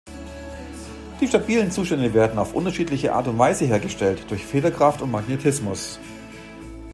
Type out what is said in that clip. Die stabilen Zustände werden auf unterschiedliche Art und Weise hergestellt: Durch Federkraft und Magnetismus.